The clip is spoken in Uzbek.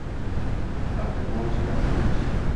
Axir quvonishga arziydigan ish –